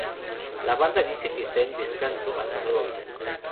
La banda dice que está en "descanso" hasta nuevo aviso.